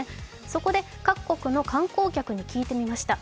そこで各国の観光客に聞いてみました。